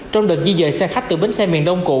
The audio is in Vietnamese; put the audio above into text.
trong đợt di dời xe khách từ bến xe miền đông cũ